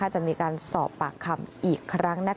จะมีการสอบปากคำอีกครั้ง